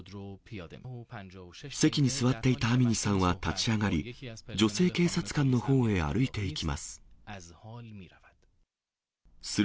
席に座っていたアミニさんは立ち上がり、女性警察官のほうへ歩いていきます。